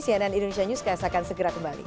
cnn indonesia newscast akan segera kembali